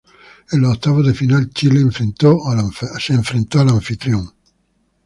En los octavos de final, Chile enfrentó al anfitrión.